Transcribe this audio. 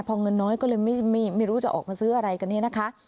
พอเงินน้อยก็เลยไม่รู้จะออกมาซื้ออะไรกันเนี่ยนะคะ